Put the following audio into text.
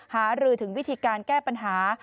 หารือถึงวิธีการแก้ปัญหา